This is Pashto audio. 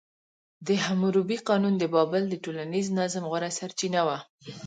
د حموربي قانون د بابل د ټولنیز نظم غوره سرچینه وه.